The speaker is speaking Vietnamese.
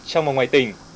trong và ngoài tỉnh